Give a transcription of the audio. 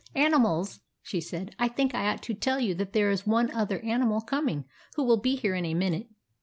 " Animals," she said, " I think I ought to tell you that there is one other animal com ing who will be here in a minute.